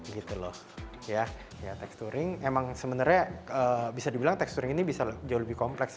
gitu loh ya ya texturing emang sebenarnya bisa dibilang texturing ini bisa jauh lebih kompleks